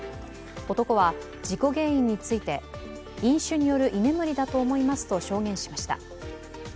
男は事故原因について飲酒による居眠りだと思いますと証言しました。